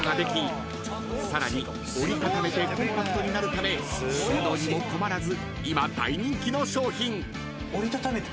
さらに折り畳めてコンパクトになるため収納にも困らず今大人気の商品］